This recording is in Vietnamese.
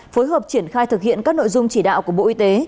phối hợp triển khai thực hiện các nội dung chỉ đạo của bộ y tế